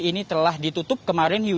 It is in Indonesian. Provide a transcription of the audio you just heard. ini telah ditutup kemarin